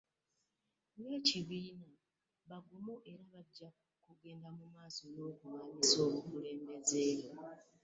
Ng'ekibiina, bagumu era bajja kugenda mu maaso n'okulwanyisa obukulembeze bwe.